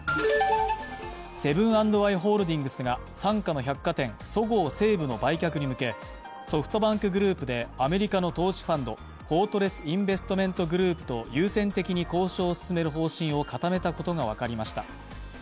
セブン＆アイ・ホールディングスが傘下の百貨店、そごう・西武の売却に向けソフトバンクグループでアメリカの投資ファンド、フォートレス・インベストメント・グループと優先的に交渉を進める方針を固めたことが分かりました。